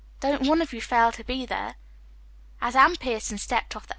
Don't one of you fail to be there." As Anne Pierson stepped off the 8.